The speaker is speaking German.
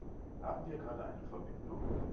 Haben wir gerade eine Verbindung?